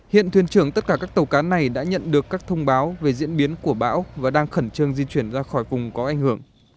hiện thuyền trưởng tất cả các tàu cá này đã nhận được các thông báo về diễn biến của bão và đang khẩn trương di chuyển ra khỏi vùng có ảnh hưởng